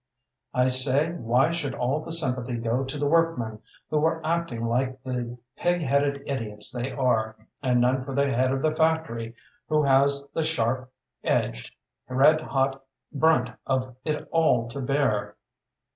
"I say why should all the sympathy go to the workmen who are acting like the pig headed idiots they are, and none for the head of the factory, who has the sharp edged, red hot brunt of it all to bear?"